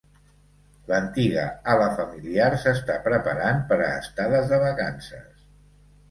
L'antiga ala familiar s'està preparant per a estades de vacances.